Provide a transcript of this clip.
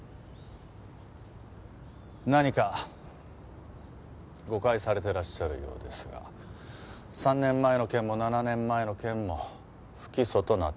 何か誤解されていらっしゃるようですが３年前の件も７年前の件も不起訴となっております。